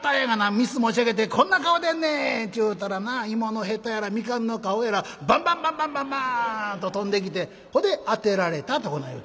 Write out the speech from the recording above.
御簾持ち上げて『こんな顔でんねん』って言うたらな芋のへたやらみかんの皮やらバンバンバンバンバンバーンッと飛んできてほんで『当てられた』とこない言うてん」。